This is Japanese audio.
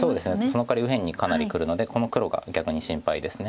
そのかわり右辺にかなりくるのでこの黒が逆に心配です。